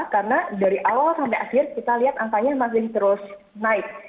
karena dari awal sampai akhir kita lihat angkanya masih terus naik